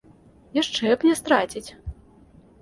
Яшчэ б не страціць!